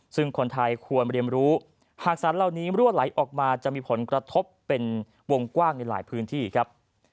ซึ่งคนไทยควรเรียนรู้หากสารเหล่านี้รั่วไหลออกมาจะมีผลกระทบเป็นวงกว้างในหลายพื้นที่ครับ